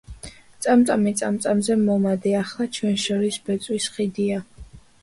წამწამი წამწამზე მომადე, ახლა ჩვენს შორის ბეწვის ხიდია.